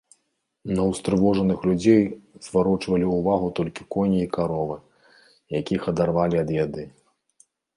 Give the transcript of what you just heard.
На ўстрывожаных людзей зварочвалі ўвагу толькі коні і каровы, якіх адарвалі ад яды.